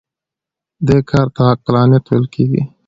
دې کار ته عقلانیت ویل کېږي.